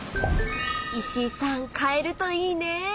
石井さん買えるといいね。